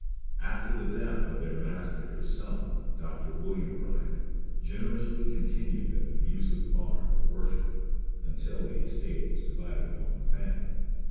"After the death of their master his son, Dr. William Bryan, generously continued them the use of the barn for worship, until the estate was divided among the family.